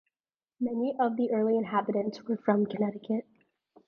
Many of the early inhabitants were from Connecticut.